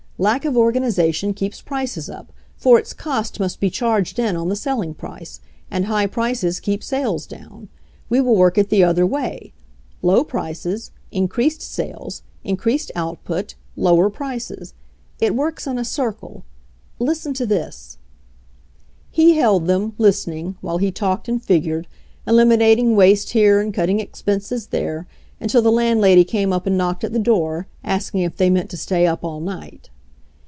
Lack of or ganization keeps prices up, for its cost must be charged in on the selling price; and high prices keep sales down. We will work it the other way; low prices, increased sales, increased out put, lower prices. It works in a circle. Listen to this " He held them, listening, while he talked and figured, eliminating waste here and cutting expenses there, until the landlady came up and knocked at the door, asking if they meant to stay up all night.